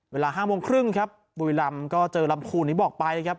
เวลา๕โมงครึ่งครับบุรีรำก็เจอลำพูนที่บอกไปครับ